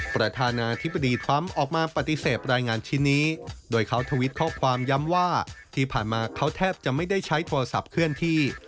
ประธานาธิบดีทรัมป์ออกมาปฏิเสธรายงานชิ้นนี้โดยเขาทวิตข้อความย้ำว่าที่ผ่านมาเขาแทบจะไม่ได้ใช้โทรศัพท์เคลื่อนที่